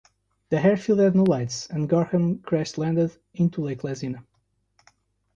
The airfield had no lights and Gorham crash landed into Lake Lesina.